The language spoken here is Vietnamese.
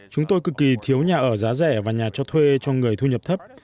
chúng tôi cực kỳ thiếu nhà ở giá rẻ và nhà cho thuê cho người thu nhập thấp